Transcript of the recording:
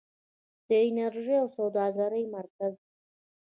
د انرژۍ او سوداګرۍ مرکز.